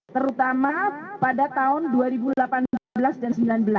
terutama pada tahun dua ribu delapan belas dan sembilan belas